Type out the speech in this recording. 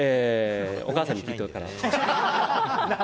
お母さんに聞いておこうかな。